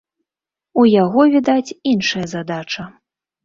У яго, відаць, іншая задача.